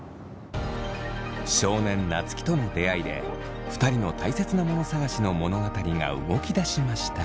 少年夏樹との出会いで２人のたいせつなモノ探しの物語が動き出しました。